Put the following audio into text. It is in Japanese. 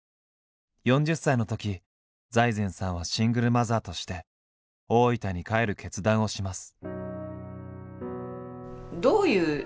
４０歳のとき財前さんはシングルマザーとして大分に帰る決断をします。